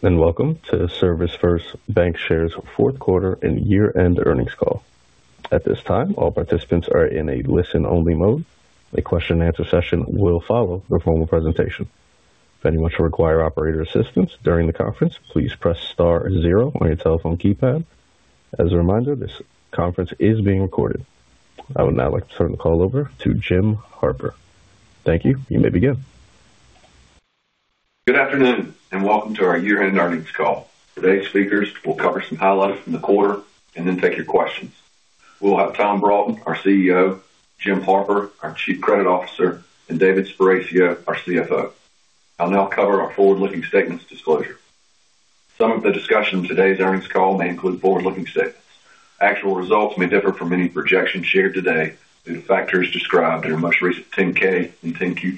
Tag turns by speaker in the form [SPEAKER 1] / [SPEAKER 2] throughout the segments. [SPEAKER 1] Welcome to ServisFirst Bancshares Fourth Quarter and Year-End Earnings Call. At this time, all participants are in a listen-only mode. A question-and-answer session will follow the formal presentation. If anyone should require operator assistance during the conference, please press star zero on your telephone keypad. As a reminder, this conference is being recorded. I would now like to turn the call over to Jim Harper. Thank you. You may begin.
[SPEAKER 2] Good afternoon, and welcome to our Year-End Earnings Call. Today's speakers will cover some highlights from the quarter and then take your questions. We'll have Tom Broughton, our CEO; Jim Harper, our Chief Credit Officer; and David Sparacio, our CFO. I'll now cover our forward-looking statements disclosure. Some of the discussion in today's earnings call may include forward-looking statements. Actual results may differ from any projections shared today due to factors described in our most recent 10-K and 10-Q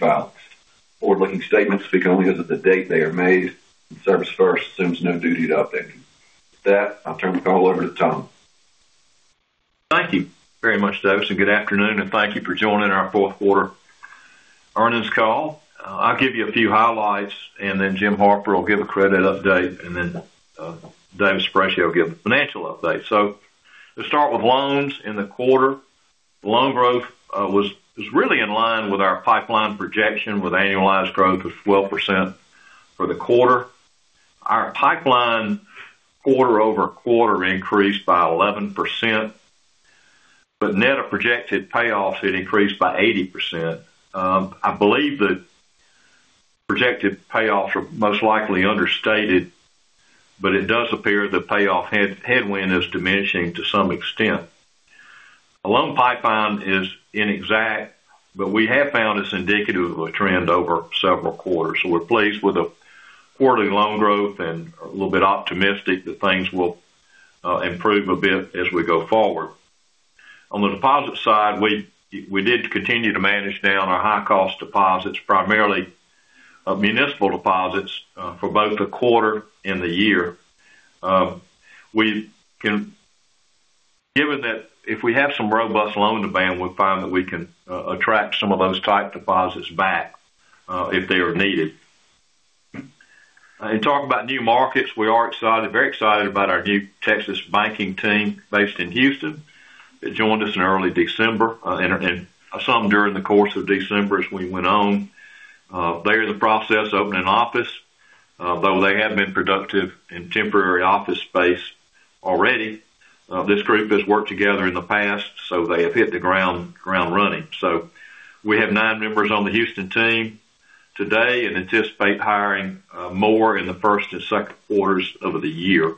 [SPEAKER 2] filings. Forward-looking statements speak only as of the date they are made, and ServisFirst assumes no duty to update them. With that, I'll turn the call over to Tom.
[SPEAKER 3] Thank you very much, Davis, and good afternoon, and thank you for joining our Fourth Quarter Earnings Call. I'll give you a few highlights, and then Jim Harper will give a credit update, and then David Sparacio will give a financial update. So let's start with loans in the quarter. Loan growth was really in line with our pipeline projection, with annualized growth of 12% for the quarter. Our pipeline quarter-over-quarter increased by 11%, but net of projected payoffs, it increased by 80%. I believe the projected payoffs are most likely understated, but it does appear the payoff headwind is diminishing to some extent. A loan pipeline is inexact, but we have found it's indicative of a trend over several quarters, so we're pleased with the quarterly loan growth and a little bit optimistic that things will improve a bit as we go forward. On the deposit side, we did continue to manage down our high-cost deposits, primarily municipal deposits, for both the quarter and the year. Given that if we have some robust loan demand, we'll find that we can attract some of those type deposits back if they are needed. In talking about new markets, we are very excited about our new Texas banking team based in Houston that joined us in early December and some during the course of December as we went on. They're in the process of opening an office, though they have been productive in temporary office space already. This group has worked together in the past, so they have hit the ground running. So we have nine members on the Houston team today and anticipate hiring more in the first and second quarters of the year.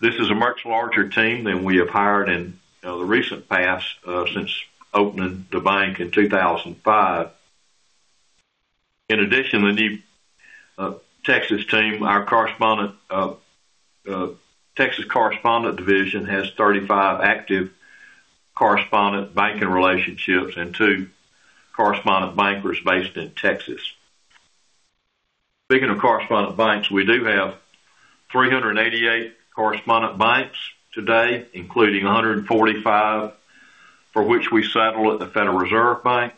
[SPEAKER 3] This is a much larger team than we have hired in the recent past since opening the bank in 2005. In addition, the new Texas team, our Texas correspondent division has 35 active correspondent banking relationships and two correspondent bankers based in Texas. Speaking of correspondent banks, we do have 388 correspondent banks today, including 145 for which we settle at the Federal Reserve Bank.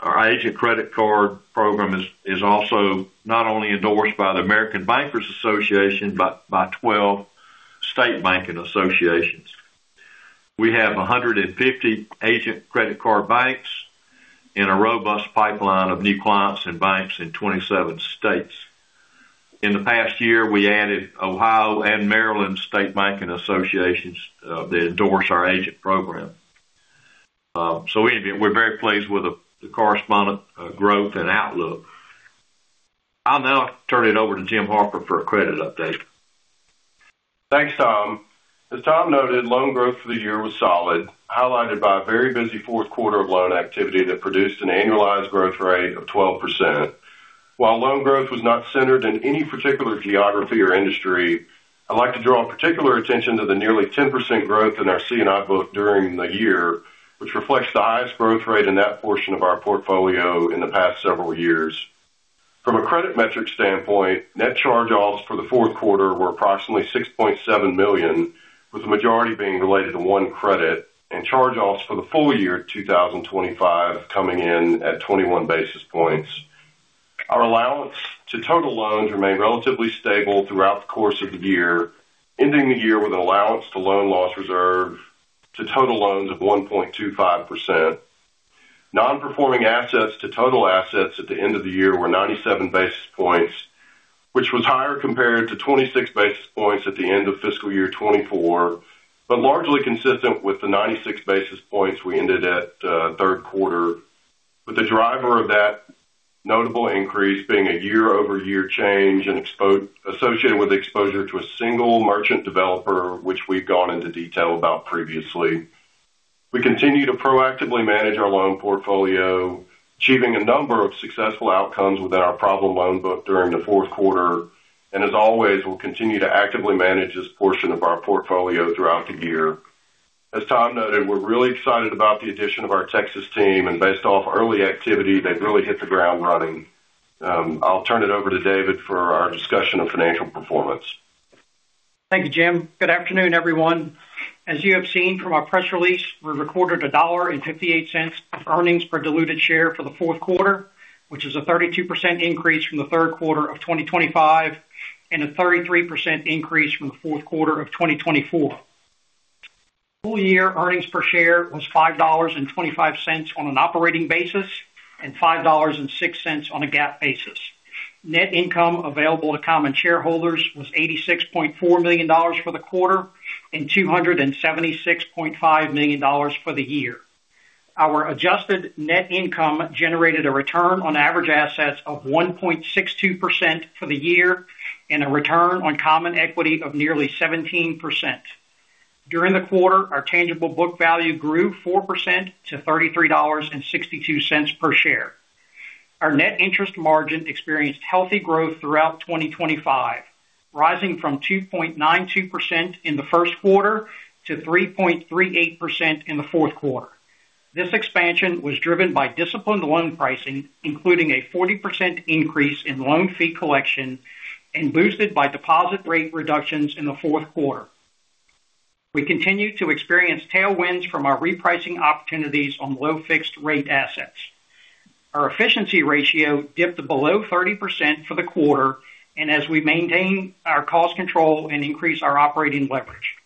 [SPEAKER 3] Our agent credit card program is also not only endorsed by the American Bankers Association but by 12 state banking associations. We have 150 agent credit card banks and a robust pipeline of new clients and banks in 27 states. In the past year, we added Ohio and Maryland state banking associations that endorse our agent program. So in any event, we're very pleased with the correspondent growth and outlook. I'll now turn it over to Jim Harper for a credit update.
[SPEAKER 4] Thanks, Tom. As Tom noted, loan growth for the year was solid, highlighted by a very busy fourth quarter of loan activity that produced an annualized growth rate of 12%. While loan growth was not centered in any particular geography or industry, I'd like to draw particular attention to the nearly 10% growth in our C&I book during the year, which reflects the highest growth rate in that portion of our portfolio in the past several years. From a credit metric standpoint, net charge-offs for the fourth quarter were approximately $6.7 million, with the majority being related to one credit, and charge-offs for the full year 2025 coming in at 21 basis points. Our allowance to total loans remained relatively stable throughout the course of the year, ending the year with an allowance to loan loss reserve to total loans of 1.25%. Non-performing assets to total assets at the end of the year were 97 basis points, which was higher compared to 26 basis points at the end of fiscal year 2024, but largely consistent with the 96 basis points we ended at third quarter, with the driver of that notable increase being a year-over-year change associated with exposure to a single merchant developer, which we've gone into detail about previously. We continue to proactively manage our loan portfolio, achieving a number of successful outcomes within our problem loan book during the fourth quarter, and as always, we'll continue to actively manage this portion of our portfolio throughout the year. As Tom noted, we're really excited about the addition of our Texas team, and based off early activity, they've really hit the ground running. I'll turn it over to David for our discussion of financial performance.
[SPEAKER 5] Thank you, Jim. Good afternoon, everyone. As you have seen from our press release, we recorded $1.58 of earnings per diluted share for the fourth quarter, which is a 32% increase from the third quarter of 2025 and a 33% increase from the fourth quarter of 2024. Full year earnings per share was $5.25 on an operating basis and $5.06 on a GAAP basis. Net income available to common shareholders was $86.4 million for the quarter and $276.5 million for the year. Our adjusted net income generated a return on average assets of 1.62% for the year and a return on common equity of nearly 17%. During the quarter, our tangible book value grew 4% to $33.62 per share. Our net interest margin experienced healthy growth throughout 2025, rising from 2.92% in the first quarter to 3.38% in the fourth quarter. This expansion was driven by disciplined loan pricing, including a 40% increase in loan fee collection and boosted by deposit rate reductions in the fourth quarter. We continue to experience tailwinds from our repricing opportunities on low-fixed rate assets. Our efficiency ratio dipped to below 30% for the quarter, and as we maintain our cost control and increase our operating leverage.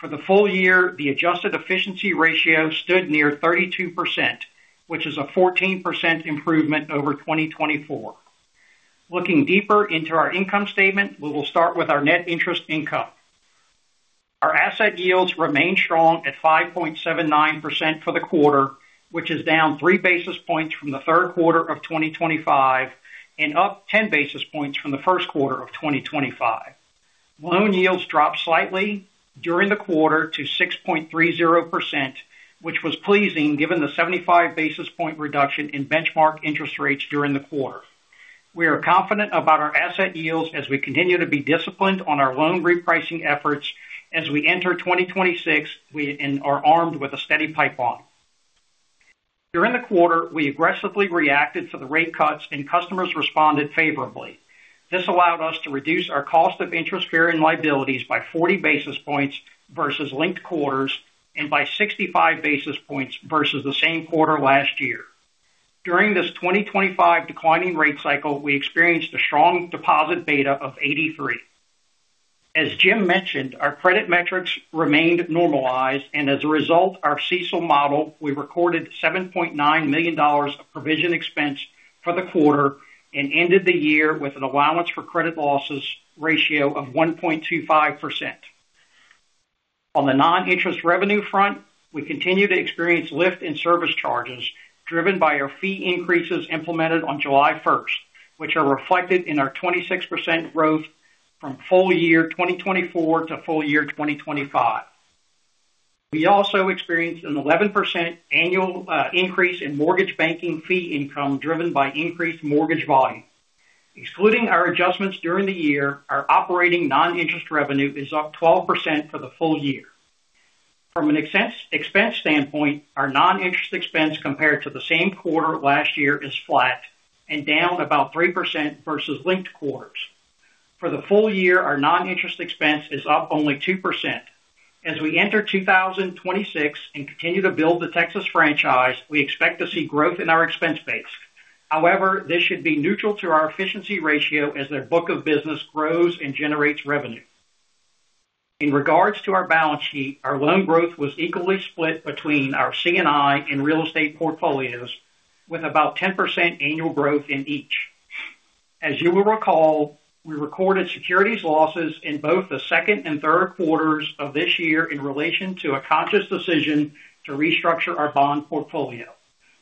[SPEAKER 5] For the full year, the adjusted efficiency ratio stood near 32%, which is a 14% improvement over 2024. Looking deeper into our income statement, we will start with our net interest income. Our asset yields remain strong at 5.79% for the quarter, which is down 3 basis points from the third quarter of 2025 and up 10 basis points from the first quarter of 2025. Loan yields dropped slightly during the quarter to 6.30%, which was pleasing given the 75 basis point reduction in benchmark interest rates during the quarter. We are confident about our asset yields as we continue to be disciplined on our loan repricing efforts as we enter 2026 and are armed with a steady pipeline. During the quarter, we aggressively reacted to the rate cuts, and customers responded favorably. This allowed us to reduce our cost of interest-bearing liabilities by 40 basis points versus linked quarters and by 65 basis points versus the same quarter last year. During this 2025 declining rate cycle, we experienced a strong deposit beta of 83. As Jim mentioned, our credit metrics remained normalized, and as a result, our CECL model, we recorded $7.9 million of provision expense for the quarter and ended the year with an allowance for credit losses ratio of 1.25%. On the non-interest revenue front, we continue to experience lift in service charges driven by our fee increases implemented on July 1st, which are reflected in our 26% growth from full year 2024 to full year 2025. We also experienced an 11% annual increase in mortgage banking fee income driven by increased mortgage volume. Excluding our adjustments during the year, our operating non-interest revenue is up 12% for the full year. From an expense standpoint, our non-interest expense compared to the same quarter last year is flat and down about 3% versus linked quarters. For the full year, our non-interest expense is up only 2%. As we enter 2026 and continue to build the Texas franchise, we expect to see growth in our expense base. However, this should be neutral to our efficiency ratio as our book of business grows and generates revenue. In regards to our balance sheet, our loan growth was equally split between our C&I and real estate portfolios, with about 10% annual growth in each. As you will recall, we recorded securities losses in both the second and third quarters of this year in relation to a conscious decision to restructure our bond portfolio.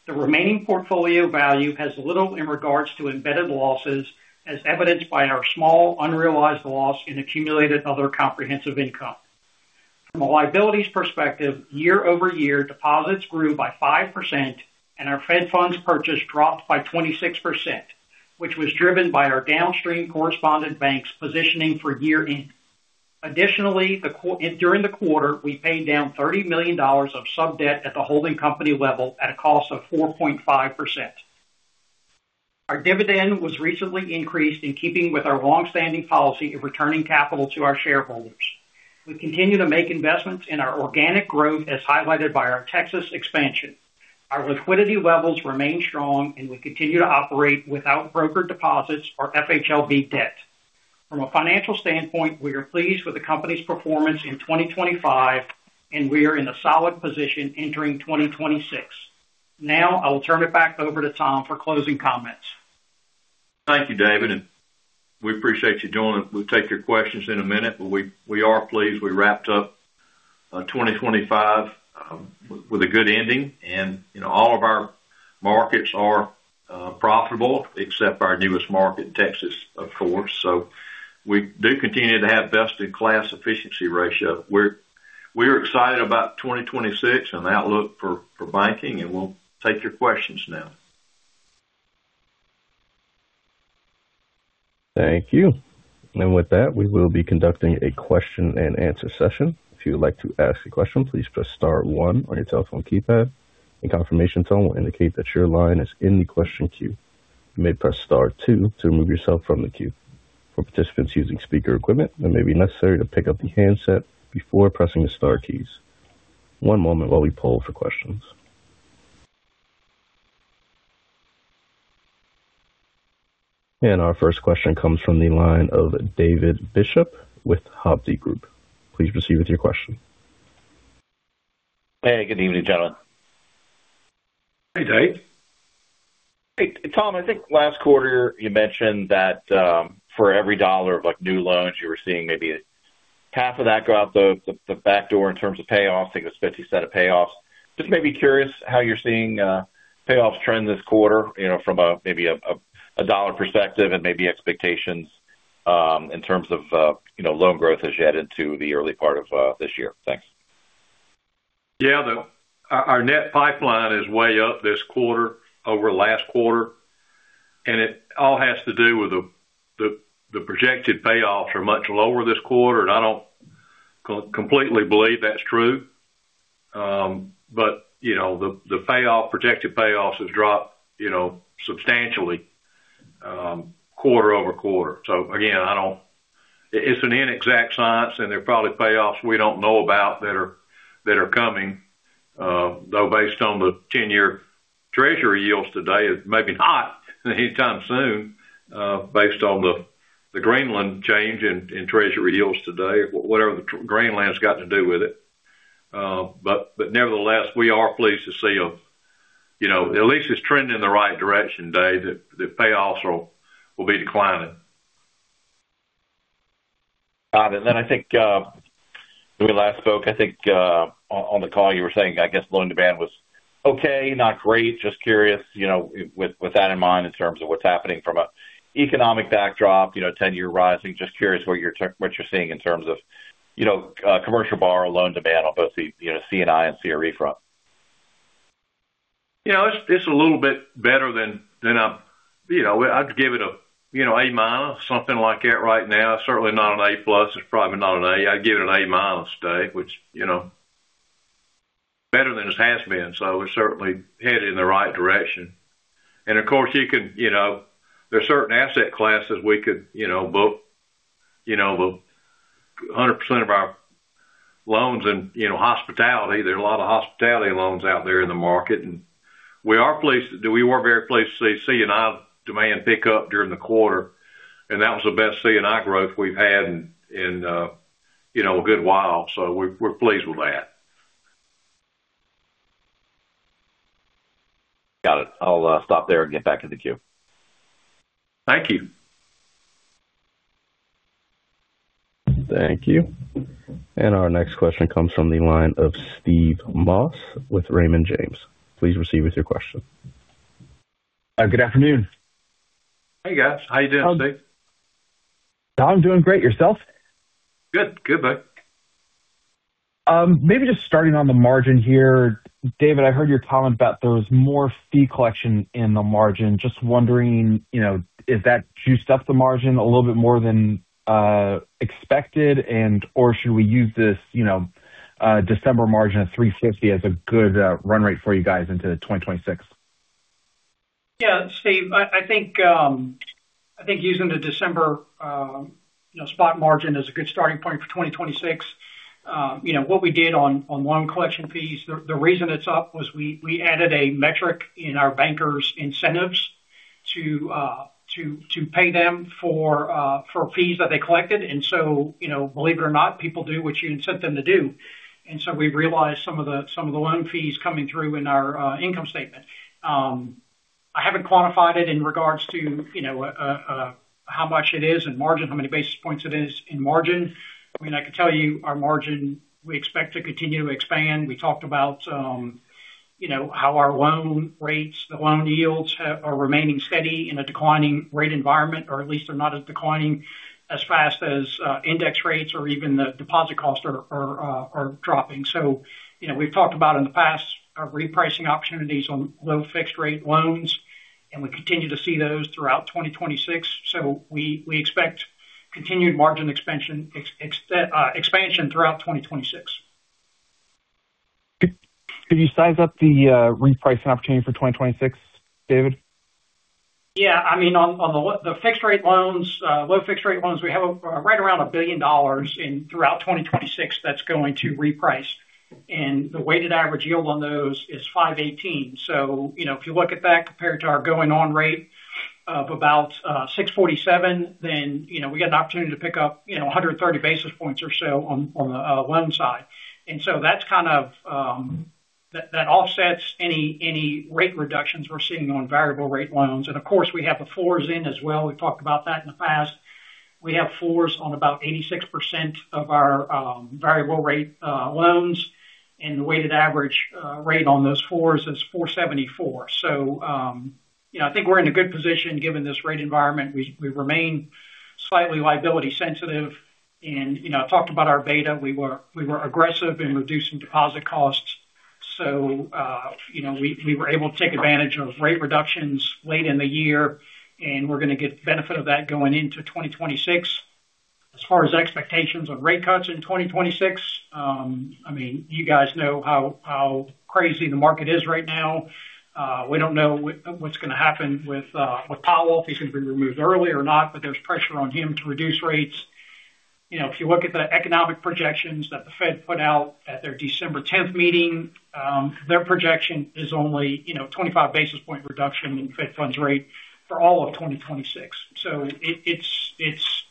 [SPEAKER 5] The remaining portfolio value has little in regards to embedded losses, as evidenced by our small unrealized loss in accumulated other comprehensive income. From a liabilities perspective, year-over-year, deposits grew by 5%, and our Fed funds purchase dropped by 26%, which was driven by our downstream correspondent banks positioning for year-end. Additionally, during the quarter, we paid down $30 million of sub-debt at the holding company level at a cost of 4.5%. Our dividend was recently increased in keeping with our longstanding policy of returning capital to our shareholders. We continue to make investments in our organic growth, as highlighted by our Texas expansion. Our liquidity levels remain strong, and we continue to operate without brokered deposits or FHLB debt. From a financial standpoint, we are pleased with the company's performance in 2025, and we are in a solid position entering 2026. Now, I will turn it back over to Tom for closing comments.
[SPEAKER 3] Thank you, David, and we appreciate you doing it. We'll take your questions in a minute, but we are pleased. We wrapped up 2025 with a good ending, and all of our markets are profitable, except our newest market, Texas, of course. So we do continue to have best-in-class efficiency ratio. We're excited about 2026 and the outlook for banking, and we'll take your questions now.
[SPEAKER 1] Thank you. And with that, we will be conducting a question-and-answer session. If you'd like to ask a question, please press star one on your telephone keypad, and confirmation tone will indicate that your line is in the question queue. You may press star two to remove yourself from the queue. For participants using speaker equipment, it may be necessary to pick up the handset before pressing the star keys. One moment while we poll for questions. And our first question comes from the line of David Bishop with Hovde Group. Please proceed with your question.
[SPEAKER 6] Hey, good evening, gentlemen.
[SPEAKER 5] Hey, Dave.
[SPEAKER 6] Hey, Tom, I think last quarter you mentioned that for every dollar of new loans, you were seeing maybe half of that go out the back door in terms of payoffs, I think it was 50% of payoffs. Just maybe curious how you're seeing payoffs trend this quarter from maybe a dollar perspective and maybe expectations in terms of loan growth as you head into the early part of this year. Thanks.
[SPEAKER 3] Yeah, our net pipeline is way up this quarter over last quarter, and it all has to do with the projected payoffs are much lower this quarter, and I don't completely believe that's true. But the payoff, projected payoffs have dropped substantially quarter-over-quarter. So again, it's an inexact science, and there are probably payoffs we don't know about that are coming, though based on the 10-year Treasury yields today, it may be not anytime soon based on the recent change in Treasury yields today, whatever that's got to do with it. But nevertheless, we are pleased to see at least it's trending in the right direction, Dave, that payoffs will be declining.
[SPEAKER 6] I think when we last spoke, I think on the call, you were saying, I guess, loan demand was okay, not great. Just curious with that in mind in terms of what's happening from an economic backdrop, 10-year rising, just curious what you're seeing in terms of commercial loan demand on both the C&I and CRE front.
[SPEAKER 3] Yeah, it's a little bit better than I'd give it an A-, something like that right now. Certainly not an A+. It's probably not an A. I'd give it an A- today, which better than it has been. So we're certainly headed in the right direction. And of course, there are certain asset classes we could book 100% of our loans in hospitality. There are a lot of hospitality loans out there in the market. And we are pleased to do. We were very pleased to see C&I demand pick up during the quarter, and that was the best C&I growth we've had in a good while. So we're pleased with that.
[SPEAKER 6] Got it. I'll stop there and get back in the queue.
[SPEAKER 3] Thank you.
[SPEAKER 1] Thank you. And our next question comes from the line of Steve Moss with Raymond James. Please proceed with your question.
[SPEAKER 3] Good afternoon.
[SPEAKER 7] Hey, guys. How you doing today?
[SPEAKER 5] I'm doing great, yourself?
[SPEAKER 7] Good. Good, buddy. Maybe just starting on the margin here. David, I heard your comment about there was more fee collection in the margin. Just wondering, is that juiced up the margin a little bit more than expected, and/or should we use this December margin of 350 as a good run rate for you guys into 2026?
[SPEAKER 5] Yeah, Steve, I think using the December spot margin as a good starting point for 2026. What we did on loan collection fees, the reason it's up was we added a metric in our bankers' incentives to pay them for fees that they collected. And so, believe it or not, people do what you intend them to do. And so we realized some of the loan fees coming through in our income statement. I haven't quantified it in regards to how much it is in margin, how many basis points it is in margin. I mean, I can tell you our margin, we expect to continue to expand. We talked about how our loan rates, the loan yields are remaining steady in a declining rate environment, or at least they're not declining as fast as index rates or even the deposit costs are dropping. We've talked about in the past our repricing opportunities on low fixed-rate loans, and we continue to see those throughout 2026. We expect continued margin expansion throughout 2026.
[SPEAKER 7] Can you size up the repricing opportunity for 2026, David?
[SPEAKER 5] Yeah. I mean, on the fixed-rate loans, low fixed-rate loans, we have right around $1 billion throughout 2026 that's going to reprice. The weighted average yield on those is 5.18%. So if you look at that compared to our going-on rate of about 6.47%, then we got an opportunity to pick up 130 basis points or so on the loan side. That's kind of offsets any rate reductions we're seeing on variable-rate loans. Of course, we have the floors in as well. We've talked about that in the past. We have floors on about 86% of our variable-rate loans, and the weighted average rate on those floors is 4.74%. I think we're in a good position given this rate environment. We remain slightly liability-sensitive. I talked about our beta. We were aggressive in reducing deposit costs. We were able to take advantage of rate reductions late in the year, and we're going to get benefit of that going into 2026. As far as expectations of rate cuts in 2026, I mean, you guys know how crazy the market is right now. We don't know what's going to happen with Powell if he's going to be removed early or not, but there's pressure on him to reduce rates. If you look at the economic projections that the Fed put out at their December 10th meeting, their projection is only a 25 basis points reduction in the Fed funds rate for all of 2026. It's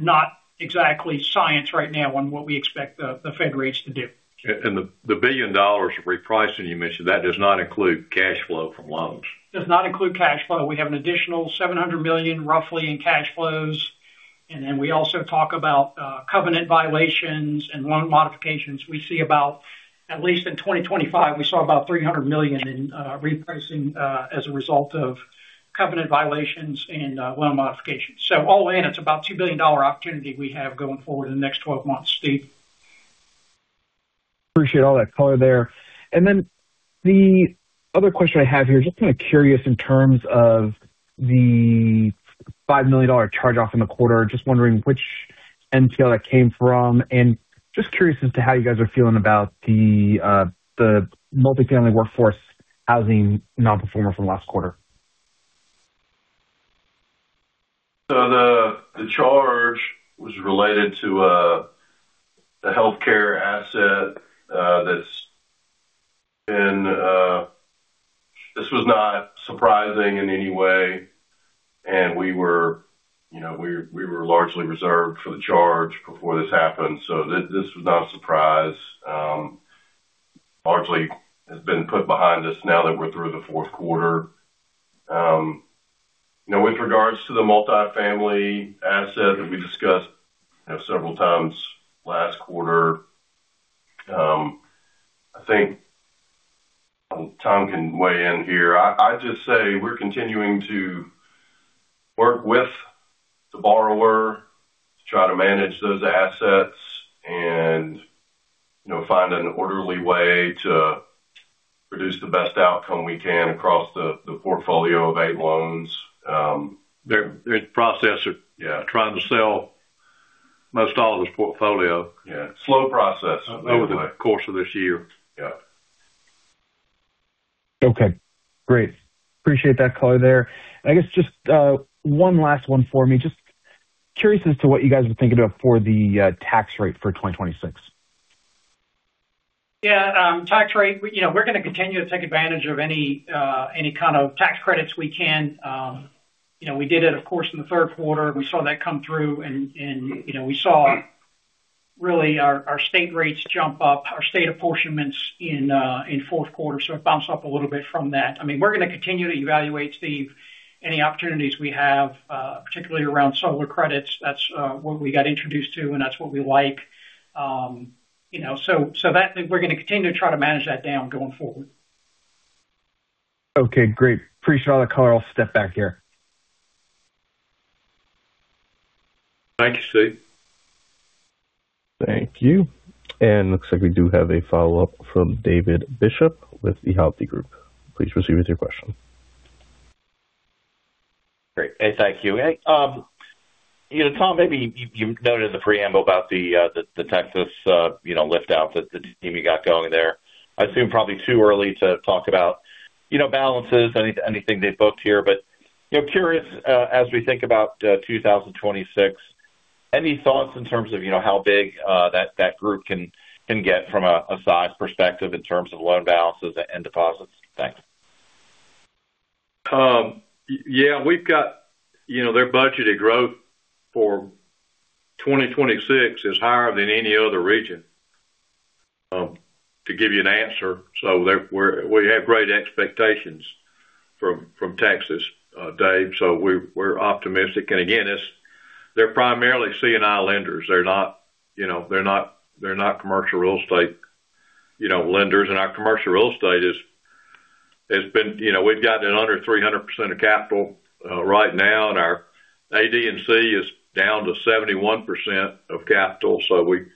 [SPEAKER 5] not exactly science right now on what we expect the Fed rates to do.
[SPEAKER 4] The $1 billion of repricing you mentioned, that does not include cash flow from loans.
[SPEAKER 5] Does not include cash flow. We have an additional $700 million roughly in cash flows. And then we also talk about covenant violations and loan modifications. We see about at least in 2025, we saw about $300 million in repricing as a result of covenant violations and loan modifications. So all in, it's about a $2 billion opportunity we have going forward in the next 12 months, Steve.
[SPEAKER 7] Appreciate all that color there, and then the other question I have here, just kind of curious in terms of the $5 million charge-off in the quarter, just wondering which NPL that came from, and just curious as to how you guys are feeling about the multifamily workforce housing non-performer from last quarter.
[SPEAKER 4] So the charge was related to a healthcare asset that's been. This was not surprising in any way. And we were largely reserved for the charge before this happened. So this was not a surprise. Largely has been put behind us now that we're through the fourth quarter. With regards to the multifamily asset that we discussed several times last quarter, I think Tom can weigh in here. I'd just say we're continuing to work with the borrower to try to manage those assets and find an orderly way to produce the best outcome we can across the portfolio of eight loans.
[SPEAKER 3] They're in the process of trying to sell most all of his portfolio.
[SPEAKER 4] Yeah.
[SPEAKER 3] Slow process over the course of this year.
[SPEAKER 4] Yeah.
[SPEAKER 7] Okay. Great. Appreciate that color there. I guess just one last one for me. Just curious as to what you guys were thinking of for the tax rate for 2026.
[SPEAKER 5] Yeah. Tax rate, we're going to continue to take advantage of any kind of tax credits we can. We did it, of course, in the third quarter. We saw that come through, and we saw really our state rates jump up, our state apportionments in fourth quarter, so it bounced up a little bit from that. I mean, we're going to continue to evaluate, Steve, any opportunities we have, particularly around solar credits. That's what we got introduced to, and that's what we like, so we're going to continue to try to manage that down going forward.
[SPEAKER 7] Okay. Great. Appreciate all the color. I'll step back here.
[SPEAKER 3] Thank you, Steve.
[SPEAKER 1] Thank you. And it looks like we do have a follow-up from David Bishop with the Hovde Group. Please proceed with your question.
[SPEAKER 6] Great. Hey, thank you. Hey, Tom, maybe you noted in the preamble about the Texas liftoff that the team you got going there. I assume probably too early to talk about balances, anything they booked here. But curious, as we think about 2026, any thoughts in terms of how big that group can get from a size perspective in terms of loan balances and deposits? Thanks.
[SPEAKER 3] Yeah. We've got their budgeted growth for 2026 is higher than any other region, to give you an answer, so we have great expectations from Texas, Dave, so we're optimistic and again, they're primarily C&I lenders. They're not commercial real estate lenders and our commercial real estate has been. We've gotten it under 300% of capital right now, and our AD&C is down to 71% of capital, so we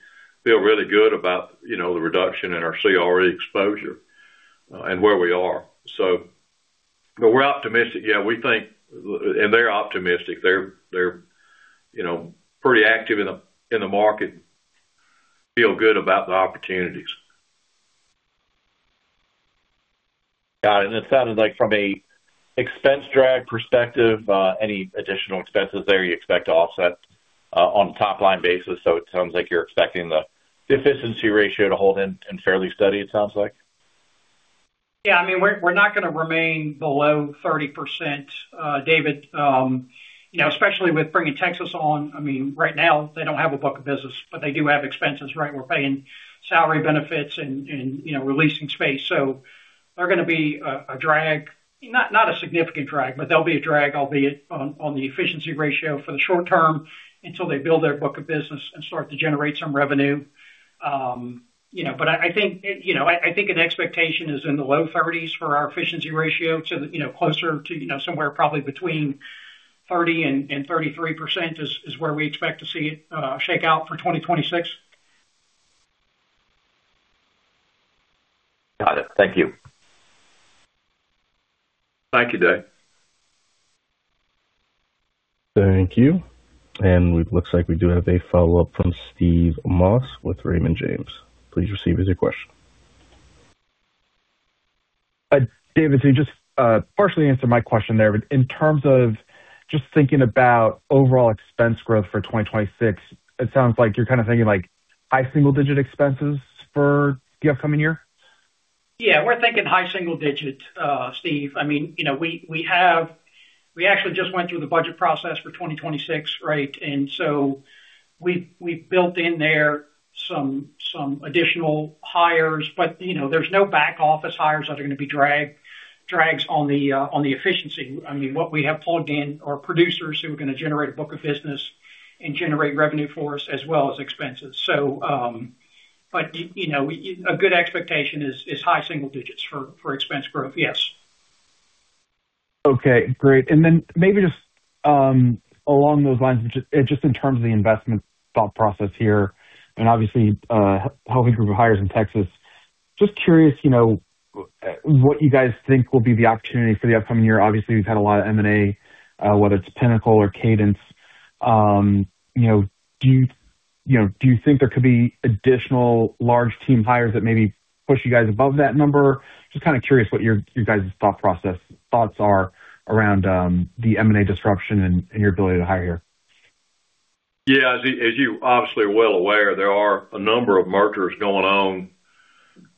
[SPEAKER 3] feel really good about the reduction in our CRE exposure and where we are, so we're optimistic. Yeah, we think, and they're optimistic. They're pretty active in the market, feel good about the opportunities.
[SPEAKER 6] Got it. And it sounded like, from an expense drag perspective, any additional expenses there you expect to offset on a top-line basis? So it sounds like you're expecting the efficiency ratio to hold in fairly steady, it sounds like.
[SPEAKER 5] Yeah. I mean, we're not going to remain below 30%, David, especially with bringing Texas on. I mean, right now, they don't have a book of business, but they do have expenses, right? We're paying salary benefits and releasing space. So there's going to be a drag, not a significant drag, but there'll be a drag, albeit on the efficiency ratio for the short term until they build their book of business and start to generate some revenue. But I think an expectation is in the low 30s for our efficiency ratio to closer to somewhere probably between 30% and 33% is where we expect to see it shake out for 2026.
[SPEAKER 6] Got it. Thank you.
[SPEAKER 3] Thank you, Dave.
[SPEAKER 1] Thank you. And it looks like we do have a follow-up from Steve Moss with Raymond James. Please proceed with your question.
[SPEAKER 7] David, so you just partially answered my question there, but in terms of just thinking about overall expense growth for 2026, it sounds like you're kind of thinking high single-digit expenses for the upcoming year.
[SPEAKER 5] Yeah. We're thinking high single-digit, Steve. I mean, we actually just went through the budget process for 2026, right? And so we've built in there some additional hires, but there's no back office hires that are going to be drags on the efficiency. I mean, what we have plugged in are producers who are going to generate a book of business and generate revenue for us as well as expenses. But a good expectation is high single digits for expense growth, yes.
[SPEAKER 7] Okay. Great. And then maybe just along those lines, just in terms of the investment thought process here, and obviously the group of hires in Texas, just curious what you guys think will be the opportunity for the upcoming year. Obviously, we've had a lot of M&A, whether it's Pinnacle or Cadence. Do you think there could be additional large team hires that maybe push you guys above that number? Just kind of curious what your guys' thought process thoughts are around the M&A disruption and your ability to hire here.
[SPEAKER 3] Yeah. As you obviously are well aware, there are a number of mergers going on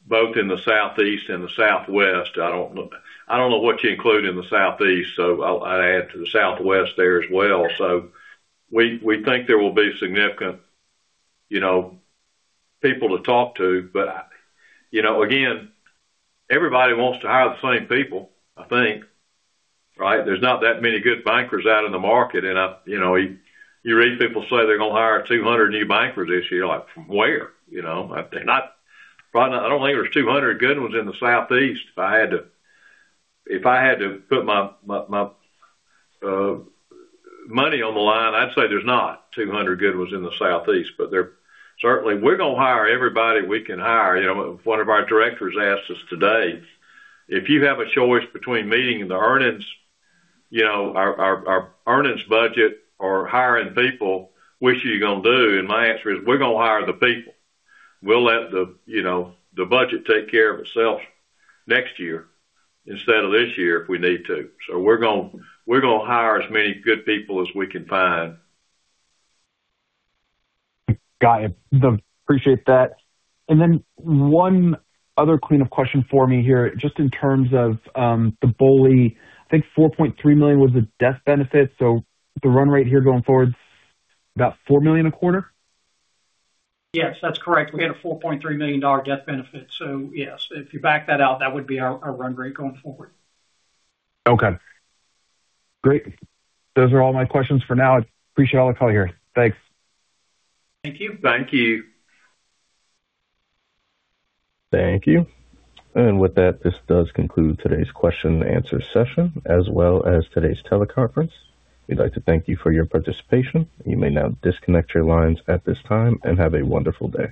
[SPEAKER 3] both in the Southeast and the Southwest. I don't know what you include in the Southeast, so I'd add to the Southwest there as well. So we think there will be significant people to talk to. But again, everybody wants to hire the same people, I think, right? There's not that many good bankers out in the market. And you read people say they're going to hire 200 new bankers this year. Like, from where? I don't think there's 200 good ones in the Southeast. If I had to put my money on the line, I'd say there's not 200 good ones in the Southeast. But certainly, we're going to hire everybody we can hire. One of our directors asked us today, "If you have a choice between meeting the earnings, our earnings budget, or hiring people, what you're going to do?" And my answer is, "We're going to hire the people. We'll let the budget take care of itself next year instead of this year if we need to." So we're going to hire as many good people as we can find.
[SPEAKER 7] Got it. Appreciate that. And then one other clean-up question for me here, just in terms of the BOLI, I think $4.3 million was a death benefit. So the run rate here going forward is about $4 million a quarter?
[SPEAKER 5] Yes, that's correct. We had a $4.3 million death benefit. So yes, if you back that out, that would be our run rate going forward.
[SPEAKER 7] Okay. Great. Those are all my questions for now. Appreciate all the call here. Thanks.
[SPEAKER 5] Thank you.
[SPEAKER 3] Thank you.
[SPEAKER 1] Thank you. And with that, this does conclude today's question-and-answer session as well as today's teleconference. We'd like to thank you for your participation. You may now disconnect your lines at this time and have a wonderful day.